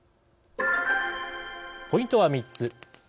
ポイントは３つ。